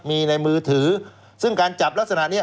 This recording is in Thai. มีในมือถือซึ่งการจับลักษณะนี้